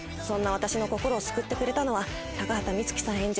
そんな私の心を救ってくれたのは高畑充希さん